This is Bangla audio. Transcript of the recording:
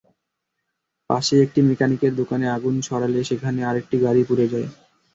পাশেই একটি মেকানিকের দোকানে আগুন ছড়ালে সেখানে আরেকটি গাড়ি পুড়ে যায়।